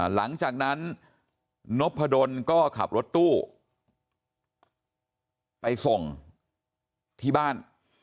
หลังจากนั้นนพดลก็ขับรถตู้ไปส่งที่บ้าน